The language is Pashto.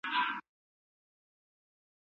محمد عثمان خان د شجاع الدوله سره یو ځای شو.